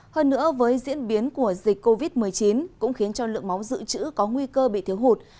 hơn nữa với diễn biến của dịch covid một mươi chín cũng khiến cho lượng máu dự trữ có nguy cơ bị thiếu hụt